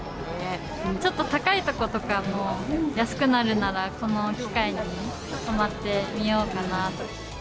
ちょっと高いとことかも、安くなるなら、この機会に泊まってみようかなぁと。